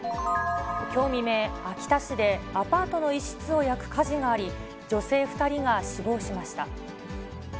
きょう未明、秋田市でアパートの一室を焼く火事があり、女性２人が死亡しました。